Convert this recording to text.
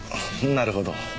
なるほど。